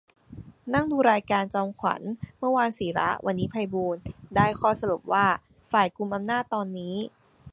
นั่งดูรายการจอมขวัญ เมื่อวาน สิระ วันนี้ ไพบูลย์ ได้ข้อสรุปว่า ฝ่ายกุมอำนาจตอนนี้